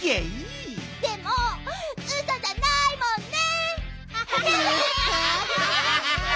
でもウソじゃないもんね！